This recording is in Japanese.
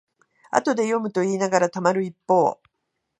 後で読むといいながらたまる一方